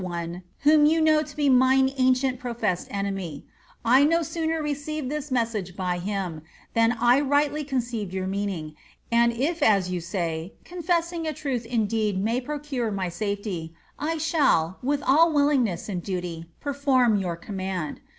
195 :h m one, wliom yo<i Vnow to be mine ancient professed enemjr ; I no sooner receired this message bjr Aim,' tlian I rightly conceiTed yonr meaning ; and iC as yyvL say, confessing a truth indeed may procure my safety, I shall, with all uiHingneas and duty, perform your command.